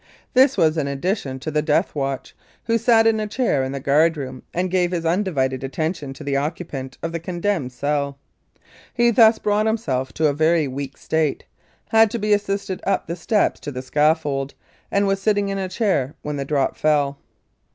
This was in addition to the "death watch," who sat in a chair in the guard room and gave his undivided attention to the occupant of the condemned cell. He thus brought himself to a very weak state had to be assisted up the steps to the scaffold, and was sitting in a chair when the drop fell.